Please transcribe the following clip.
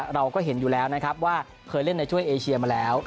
เราก็เห็นอยู่แล้วนะครับว่าเคยเล่นในช่วยเอเชียมาแล้ว